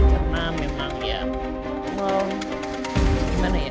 karena memang ya mau gimana ya